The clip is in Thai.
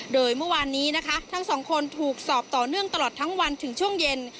โดยเมื่อวานนี้นะคะทั้งสองคนถูกสอบต่อเนื่องตลอดทั้งวันถึงช่วงเย็น